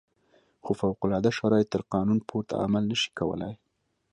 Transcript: خو فوق العاده شرایط تر قانون پورته عمل نه شي کولای.